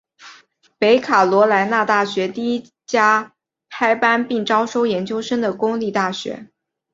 北卡罗来纳大学第一家开班并招收研究生的公立大学。